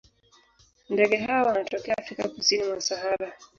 Ndege hawa wanatokea Afrika kusini mwa Sahara.